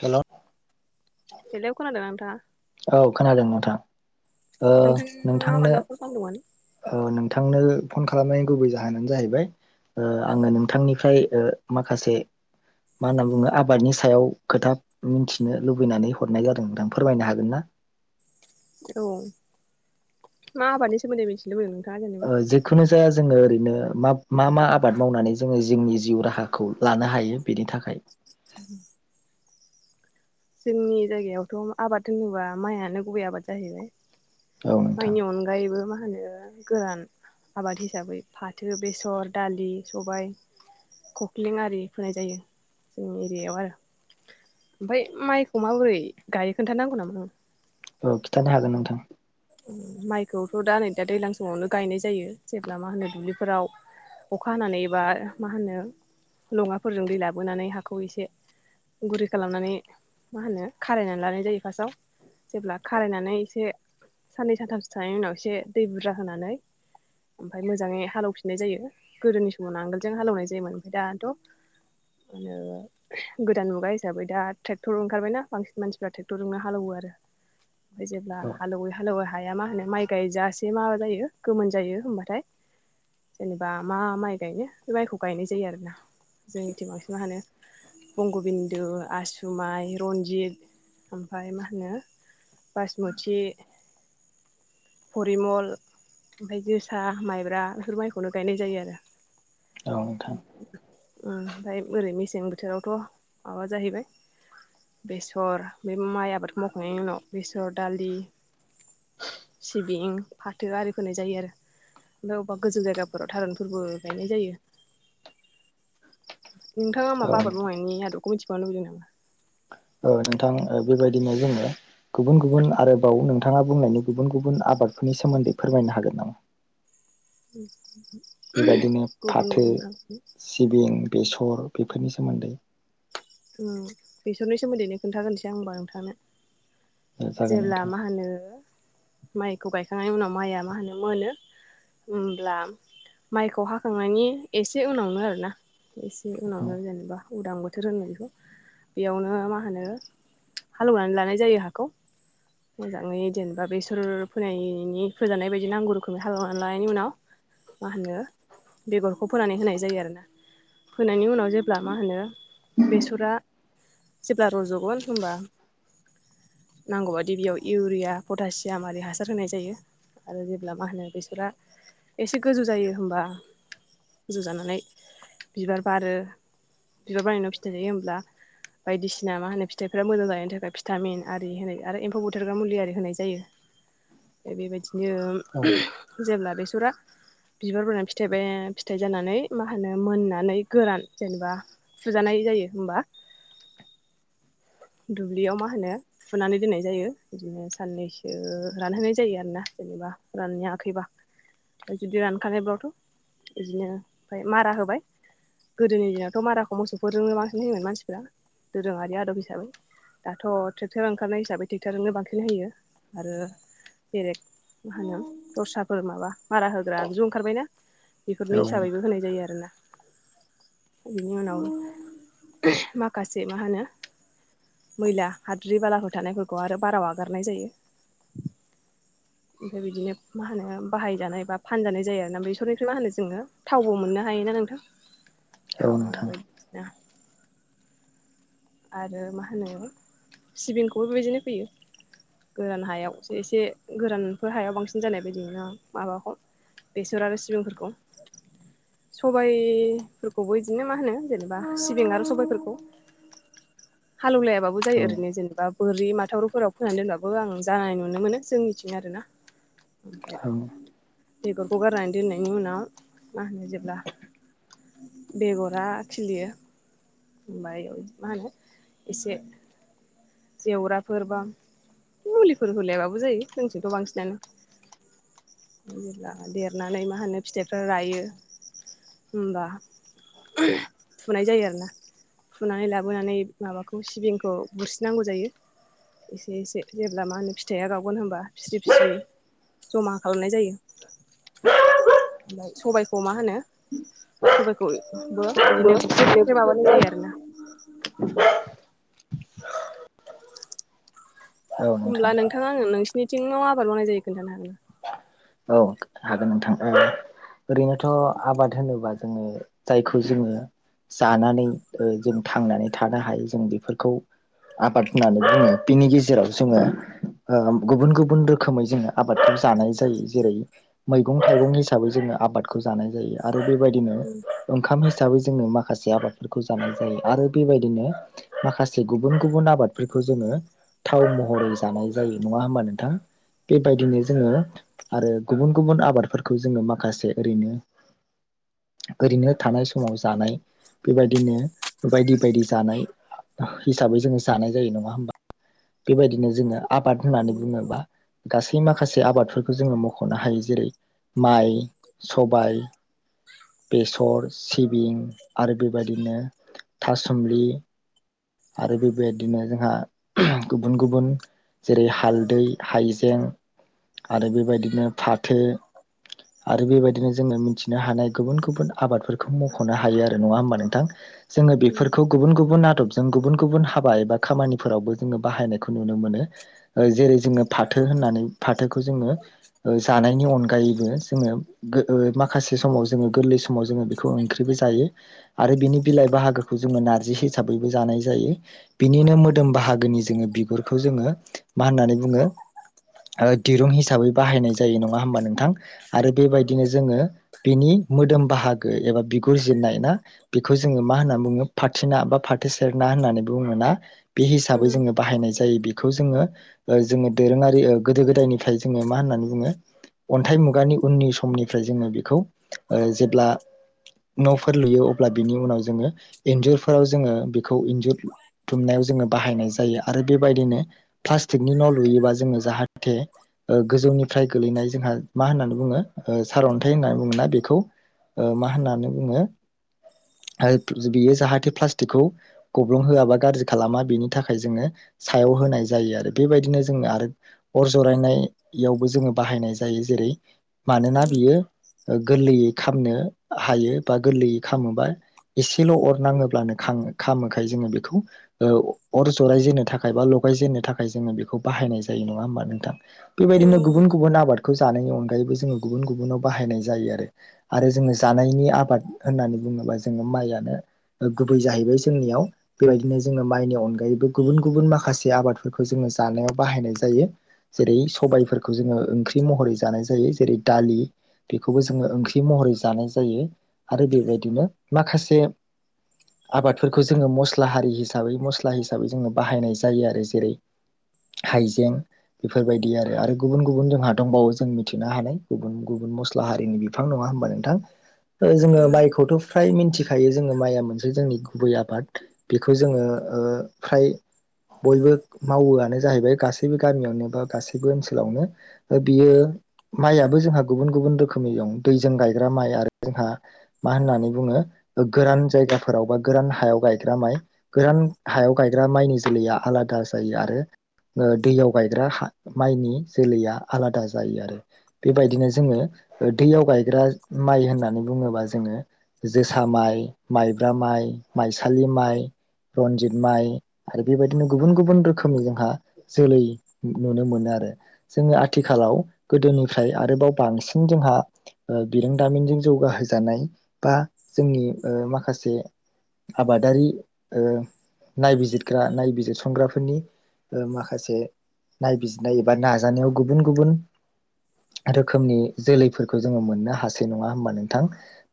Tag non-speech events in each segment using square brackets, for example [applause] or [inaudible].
हेल' hello खोनादोंना नोंथाङा? औ खोनादों नोंथां। ओ नोंथाङा मानोबा फन खालामदोंमोन? औ नोंथांनो फन खालामनायनि गुबै जाहोनानो जाहैबाय ओ आङो नोंथांनिफ्राय माखासे मा होनना बुङो आबादनि सायाव खोथा मिथिनो लुबैनानै हरनाय जादोंमोन फोरमायनो हागोन ना? [inaudible] औ मा आबादनि सोमोन्दै मिथिनो लुबैदों नोंथाङा? जेनेबा औ जेखुनो जाया जोङो ओरैनो मा मा आबाद मावनानै जोङो जोंनि जिउ राहाखौ लानो हायो बेनि थाखाय [inaudible] जोंनि जायगायावथ' आबाद होनोबा माइआनो गुबै आबाद जाहैबाय। औ नोंथां माइनि अनगायैबो मा मा होनो गोरान आबाद हिसाबै फाथो बेसर दालि सबायाइ खख्लें आरि फोनाय जायो जोंनि एरियायाव आरो ओमफाय माइखौ माबोरै गायो खोन्थानांगौ नामा नोंनो औ खिन्थानो हागोन नोंथां। माइखौथ' दा नै दा दैलां समावनो गायनाय जायो जेब्ला मा होनो दुब्लिफोराव अखा हानानै एबा मा होनो लङाफोरजों दै लाबोनानै हाखौ एसे गुरै खालामनानै मा होनो खारायनानै लानाय जायो फार्स्टआव जेब्ला खारायनानै एसे साननै सानथामसो थानायनि उनाव एसे दै बुरजा होनानै ओमफाय मोजाङै हालौफिननाय जायो गोदोनि समाव नांगोलजों हालेनाय जायोमोन ओमफाय दाथ' मा होनो गोदान मुगा हिसाबै दा ट्रेक्टर ओंखारबायना बांसिन मानसिफ्रा टेक्टरजोंनो हाल एवो आरो। ओमफाय जेब्ला औ हाल एवै हाल एवै हाया मा होनो माइ गायजा से मा जायो गोमोन जायो होमबाथाय जेनेबा मा माइ गायो बे माइखौ गायनाय जायो आरोना जोंनिथिं बांसिन मा होनो बंग'बिन्दु आसुमाइ रन्जित ओमफाय मा होनो बायेसमुथि फरिमल ओमफ्राय जोसा माइब्रा इफोर माइखौनो गायनाय जायो आरो। औ नोंथां ओ ओमफाय बोरै मे सें बोथोरावथ' माबा जाहैबाय बेसर बे माइ आबादखौ मावखांनायनि उनाव बेसर दालि सिबिं फाथो आरि फोनाय जायो आरो। ओमफाय अबेबा गोजौ जायगाफोराव थारुनफोरबो गायनाय जायो। [unintelligible] नोंथाङा औ माबा आबाद मावनायनि आदबखौ मिथिबावनो लुबैदों नामा। ओ नोंथां बेबायदिनो जोङो गुबुन गुबुन आरोबाव नोंथाङा बुंनायनि गुबुन गुबुन आबादफोरनि सोमोन्दै फोरमायनो हागोन नामा। उम बेबादिनो फाथो सिबिं बेसर बेफोरनि सोमोन्दै। उम बेसरनि सोमोन्दैनो खोनन्थागोनसै आं होनबा नोंथांनो। जागोन जेब्ला नोंथां मा होनो माइखौ गायखांनायनि उनाव माइआ मा होनो मोनो। होमब्ला माइखौ हाखांनायनि एसे उनावनो आरोना एसे औ उनावनो जेनेबा उदां बोथोर होननो बेयावनो मा होनो हालौनानै लानाय जायो हाखौ मोजाङै जेनबा बेसर फोनायनि फोजानाय बायदि नांगौ रोखोमै हाल एवनख लानायनि उनाव मा होनो बेगरखौ फोनानै होनाय जायो आरोना। फोनायनि उनाव जेब्ला मा होनो बेसरा जेब्ला रज'गोन होनबा। नांगौबादि बेयाव इउरिया पटासियाम आरि हासार होनाय जायो। आरो जेब्ला मा होनो बेसरा एसे गोजौ जायो होमबा गोजौ जानानै बिबार बारो बिबार बानायनायाव फिथाइ जायो होमब्ला बायदिसिना मा होनो फिथाइफोरा मोजां जानायनि थाखाय भिटामिन आरि होनाय आरो एम्फौ बुथारग्रा मुलि आरि होनाय जायो। बेबायदिनो औ जेब्ला बेसरा बिबार बारनानै फिथाइ फिथाइ जानानै मा होनो मोननानै गोरान जेनेबा फुजानाय जायो होमबा दुब्लियाव मा होनो फुनानै दोननाय जायो बिदिनो साननैसो रानहोनाय जायो आरोना। जेनेबा राननायाखैबा जुदि रानखानायब्लाथ' इदिनो ओमफाय मारा होबाय। गोदोनि दिनावथ' मारा मोसौफोर रोङो बांसिन जयोमोन मानसिफ्रा दोरोङारि आदब हिसाबै। दाथ' ट्रेक्टर ओंखारनाय हिसाबै ट्रेक्टरजोंनो बांसिन होयो आरो। बेलेग मा होनो दस्राफोर माबा मारा होग्रा ज' ओंखारबायना? औ बेफोरनि हिसाबैबो होनाय जायो आरो ना। बिनि उनाव माखासे मा होनो मैला हाद्रि बालाफोर थानायफोरखौ आरो बारा आगारनाय जायो। [inaudible] ओमफ्राय बिदिनो मा होनो बाहायजानाय बा फानजानाय जायो आरोना बेसरनिख्रुइ मा होनो जोङो थावबो मोननो हायोना नोंथां। [inaudible] थाव आरो नोंथां बायना आरो मा होनो सिबिंखौबो बेबायदिनो फोयो। गोरान हायाव एसे गोरानफोर हायाव बांसिन जानाय बायदि माबाखौ बेसर आरो सिबिंफोरखौ। सबायफोरखौबो बिदिनो मा होनो जेनेबा सिबिं आरो सबायफोरखौ [inaudible] हालौवलायाबाबो जायो औ ओरैनो जेनेबा बोरि माथाविफोराव फोनानै दोनबाबो आं जानाय नुनो मोनो जों मिथिं आरो ना। औ बेगरखौ गारनानै दोननायनि उनाव मा होनो जेब्ला बेगरा खिलियो ओमफ्राय मा होनो एसे जेवराफोर बा मुलिफोर होलायाबाबो जायो जोंथिंथ बांसिनानो जेब्ला देरनानै मा होनो फिथाइफ्रा रायो। होनबा फुनाय जायो आरोना फुनानै लाबो लाबोनानै माबाखौ सिबिंखौ बुसनांगौ जायो। एसे एसे जेब्ला मा होनो फिथाइया गावगोन होनोमबा फिस्रि फिस्रि जमा खालामनाय जायो। [unintelligible] ओमफ्राय सबायखौ मा होनो सबायखौ बिदिनो बुख्रे बुख्रे माबानाय जायो आरो ना। होमब्ला नोंथाङा आङो नोंसिरनिथिं आबाद मावनाय जायो खोनन्थानो हागोन ना? औ हागोन नोंथां। ओरैनोथ' आबाद होनोबा जोंङो जायखौ जोंङो जानानै जों थांनानै थानो हायो जों बेफोरखौ आबाद होननानै बुङो बिनि गेजेराव जोंङो गुबुन गुबुन रोखोमै जोङो आबाद जानाय जायो। जेरै मैगं थाइगं हिसाबै जोंङो आबादखौ जानाय जायो आरो बेबायदिनो ओंखाम हिसाबै जोंङो माखासे आबादफोरखौ जानाय जायो आरो बेबायदिनो माखासे गुबुन गुबुन आबादफोरखौ जोङो थाव महरै जानाय जायो नङा होमबा नोंथां? बेबायदिनो जोंङो आरो गुबुन गुबुन आबादफोरखौ जोंङो माखासे ओरैनो ओरैनो थानाय समाव जानाय बेबायदिनो बायदि बायदि जानाय हिसाबै जोंङो जानाय जायो नङा होमबा बेबायदिनो जोंङो आबाद औ होननानै बुङोबा गासै माखासे आबादफोरखौ खौ जोंङो मख'नो हायो जेरै माइ, सबाय बेसर, सिबिं, आरो बेबायदिनो थासुमलि आरो बेबायबायदिनो जोंहा गुबुन गुबुन जेरै हालदै, हाइजें आरो बेबायदिनो फाथो आरो बेबायदिनो जोंङो मिथिनो हानाय गुबुन गुबुन आबादफोरखौ मख'नो हायो आरो नङा होमबा नोंथां? जोंङो नंगौ बेफोरखौ गुबुन गुबुन आदब जों गुबुन गुबुन हाबा एबा खामानिफोरावबो जोंङो बाहायनायखौ नुनो मोनो जेरै जोंङो फाथो फोनानै जों जानायनि अनायैबो जो माखसे सम गोरलै समाव जोंङो बेखौ ओंख्रिबो जायो आरो बिनि बिलाइ बाहागो जोंङो नारजि हिसाबै जानाय जायो बिनिनो मोदोम बाहागोनि जोंङो बिगुरखौ जोंङो मा होननानै बुङो? ओ दिरुं हिसाबै बाहायनाय जायो नङा होमबा नोंथां आरो बेबायदिनो जोंङो बिनि मोदोम बाहागो एबा बिगुर जिरनाय ना बेखौ जोंङो मा होनना बुङो फाथिना बा थो सेरनाा होननानै बुङोना बे हिसाबै जो बाहायनाय जा जायो बेखौ जोंङो जोंङो दोरोंङारि गोदो गोदायनिफ्राय जोंङो मा होननानै बुङो? अन्थाइ मुगानि उननि समनिफ्राय जोंङो बेखौ ओ जेब्ला न फोर लुयो अब्ला बिनि उनाव जोंङो एन्जुरफोराव जोंङो बेखौ इन्जुर लुमनायाव जोंङो बाहायनाय जायो आरो बेबायदिनो प्लाटिकनि न लुयोबा जोंङो जाहाथे ओ गोजौनिफ्राय गोलैनाय जोंहा मा होननानै बुङो ओ सारअन्थाइ होननानै बुङा बेखौ ओ मा होननानै बुङो बियो जाहाथे प्लास्टिकखौ गब्लुं होआबा गाज्रि खालामा बेनि थाखाय जोंङो सायाव होनाय जायो आरो बेबायदिनो जोंनो आरो अर जरायनायावबो जोङो बाहायनाय जायो जेरै मानोना बियो गोरलैयै खामनो हायो बा गोरलैयै खामोबा एसेल' अर नाङोब्लानो खामो खामोखाय जोङो बेखौ ओ अर जरायजेननो थाखाय बा लगायजेननो थाखाय जोङो बेखौ बाहायनाय जायो। नङा होनबा नोंथां बेबायदिनो गुबुन गुबुन आबादखौ जों जानायनि अनैबो जोङो गुबुन गुबुन बाहायनाय जायो आरो जों जानायनि आबाद होननानै बुङो। होनोबा जोङो माइआनो गुबै जाहैबाय जोंनियाव बेबायदिनो जोङो माइनि अनगायैबो गुबुन गुबुन माखासे आबादफोरखौ जोङो जानायाव बाहायनाय जायो जायो जेरै सबायफोरखौ जोङो ओंख्रि महरै जानाय जायो जेरै दालि बेखौबो जोङो ओंख्रि महरै जानाय जायो आरो बेबायदिनो माखासे आबाद फोरफोरखौ जोङो मस्ला हारि हिसाबै मस्ला हिसाबै जोङो बाहायनाय जायो आरो जेरै हाइजें बेफोरबायदि आरो आरो गुबुन गुबुन जोंहा दंबावो जों मिथिनो हानाय गुबुन गुबुन मस्ला हारिनि बिफां नङा होमबा नोंथां जोङो माइखौथ' फ्राय मिथिखायो जोङो माइआ मोनसे जोंनि गुबै आबाद बेखौ जोङो ओ फ्राय बयबो मावोआनो जाहैबाय गासैबो गामियावनो बा गासैबो ओनसोलावनो ओ बियो मायआबो जोंहा गुबुन गुबुन रोखोमनि दं दैजों गायग्रा माइ आरो जोंहा मा होननानै बुङो गोरान जायगाफोरावबा गोरान हायाव गायग्रा माइ गोरान हायाव गायग्रा माइनि जोलैया आलादा जायो आरो ओ दैयाव गायग्रा हा माइनि जोलैया आलादा जायो आरो बेबायदिनो जोङो ओ दैयाव गायग्रा माइ होननानै बुङोबा जोङो जोसा माइ माइब्रा माइ माइसालि माइ रनजित माइ आरो बेबायदिनो गुबुन गुबुन रोखोम जोंहा जोलै नुनो मोनो आरो रो जोङो आथिखालाव गोदोनिफ्राय आरोबाव बांसिन जोंहा ओ बिरोंदामिनजों जौगाहोजानाय बा जोंनि माखासे आबादारि ओ नायबिजिरग्रा नायबिजिरसंग्राफोरनि ओ माखासे नायबिजिरनाय एबा नाजानायाव गुबुन गुबुन रोखोमनि जोलैफोरखौ जोङो मोननो हासै नङा होमबा नोंथां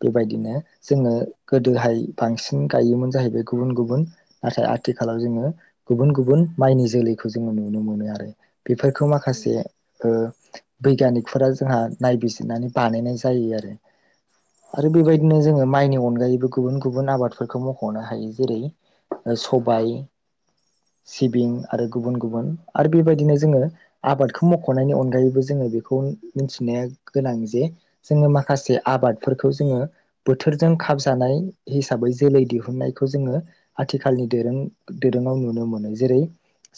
बेबायदिनो जों नो गोदोहाय बांसिन गायोमोन जाहैबाय गुबुन गुबुन नाथाय आथिखालाव जोङो गुबुन गुबुन माइनि जोलैखौ जोङो नुनो मोनो आरो बेफोरखौ माखासे ओ बैग्यानिकफोरा जोंहा नायबिजिरनानै बानायनाय जायो आरो। आरो बेबायदिनो जोङो माइनि अनगायैबो गुबुन गुबुन आबाद फोरखौ मख'नो हायो जेरै ओ सबाय सिबिं आरो गुबुन गुबुन आरो बेबायदिनो जोङो आबादखौ मखनायनि अनगायै बो जोङो बे मिथिनाया गोनां जे जोङो माखासे आबादफोरखौ जोङो बोथोरजों खाबजानाय हिसाबै जोलै दिहुननायखौ जोङो आथिखालनि दोरों दोरोङाव नुनो मोनो जेरै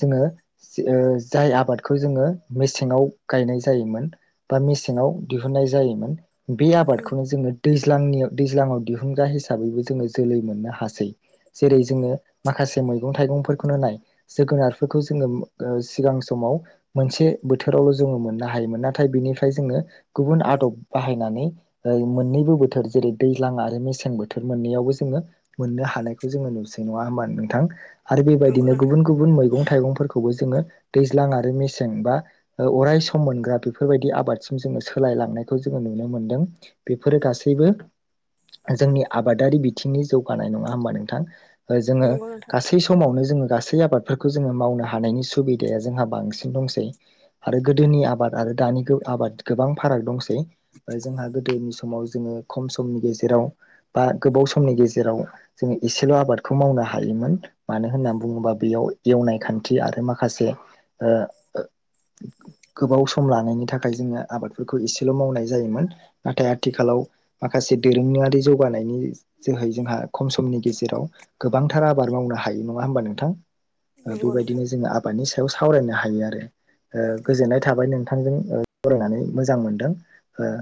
जोङो ओ जाय आबादखौ जोङो मेसेङाव गायनाय जायोमोन बासे मे मेसेङाव दिहुननाय जायोमोन। बे आबादखौनो जोङो दैज्लांनियाव दैज्लाङाव दिहुनग्रा हिसाबैबो जोङो जोलै मोननो हासै जेरै जोङो माखासे मैगं थाइगंफोरखौनो नाय जोगोनारफोरखौ जों जोङो सिगां समाव मोनसे बोथोरावल' जोङो मोननो हायोमोन नाथाय बिनिफ्राय जोङो गुबुन आदब बाहायनानै ओ मोननैबो बोथोर जेरै दैज्लां आरो मेसें बोथोर मोननैयावबो जोङो मोननो हानायखौ जोङो नंआ होमबा नोंथां आरो बेबायदिनो नोंथां गुबुन गुबुन मैगं थाइगंफोरखौबो जोंङो दैज्लां आरो मेसें बा अराय सम मोनग्रा बेफोरबायदि आबादसिम जों जोङो सोलायलांनायखौ जोङो नुनो मोनदों बेफोरो गासैबो जोंनि आबादारि बि थिंनि जौगानाय नङा होमबा नोंथां जोङो नंगौ नोंथां नंगौ नोंथां गासै समावनो जोङो गासै आबादफोरखौ जोङो मावनो हानायनि सुबिदाया जोंहा बांसिन दंसै आरो गोदोनि आबाद आरो दानि आबाद गोबां फाराग दंसै जोंहा गोदोनि समाव जोङो खम समनि गेजेराव बा गोबाव सम समनि गेजेराव जोङो एसेल' आबादखौ मावनो हायोमोन मानो होननानै बुङोबा बेयाव एवनाय खान थि आरो माखासे ओ ओ गोबाव सम लानायनि थाखाय जोङो आबादफोरखौ एसेल' मावनाय जायोमोन नाथाय आथिखालाव माखासे दोरोङारि जौगानायनि जोहै जोंहा खम समनि गेजेराव गोबांथार आबाद मावनो हायो नङा होमबा नोंथां? ओ नंगौ नोंथां बेबायदिनो जोङो आबादनि सायाव सावरायनो हायो आरो। ओ गोजोननाय थाबाय नों थांजों सावरायनानै मोजां मोनदों ओ